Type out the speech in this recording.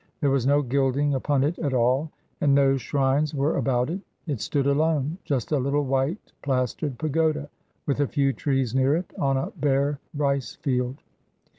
There was no gilding upon it at all, and no shrines were about it; it stood alone, just a little white plastered pagoda, with a few trees near it, on a bare rice field.